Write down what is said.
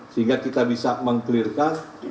sehingga kita bisa mengkelirkan